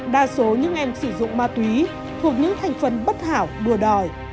đa số những em sử dụng ma túy thuộc những thành phần bất hảo bừa đòi